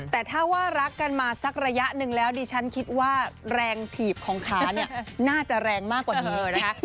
แต่ถ้าว่ารักกันมาสักระยะหนึ่งแล้วดิฉันคิดว่าแรงถีบของขาเนี่ยน่าจะแรงมากกว่าเธอนะคะ